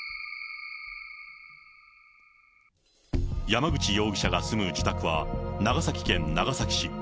山口容疑者が住む自宅は、長崎県長崎市。